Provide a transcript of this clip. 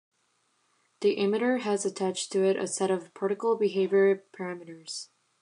The emitter has attached to it a set of particle behavior parameters.